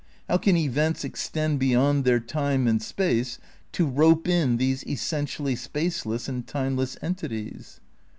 How can events extend beyond their time and space to rope in these essentially spaceless and timeless entities